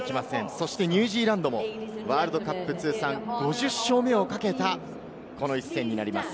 そしてニュージーランドもワールドカップ通算５０勝目をかけた、この一戦になります。